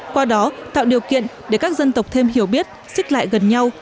qua đó tạo điều kiện để các dân tộc thêm hiểu biết xích lại gần nhau